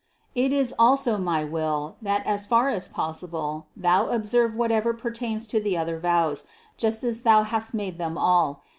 It is also my will that as far as possible, thou observe whatever pertains to the other vows, just as if thou hadst made them all.